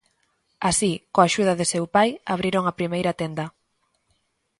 Así, coa axuda de seu pai, abriron a primeira tenda.